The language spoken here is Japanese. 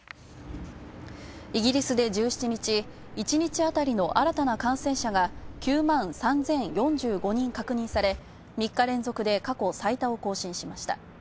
イギリスで１７日、１日あたりの新たな感染者が９万３０４５人確認され、３日連続で過去最多を更新しました。